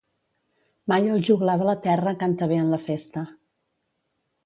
Mai el joglar de la terra canta bé en la festa.